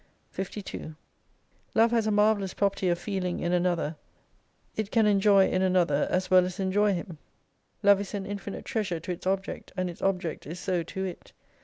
52 Love has a marvellous property of feeling in another It can enjoy in another, as well as enjoy him. Love is an infinite treasure to its object, and its object is so to it.